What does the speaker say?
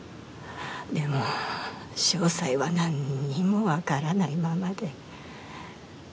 でも詳細は何にも分からないままで